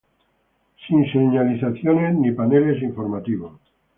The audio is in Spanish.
Sin señalizaciones ni paneles informativos.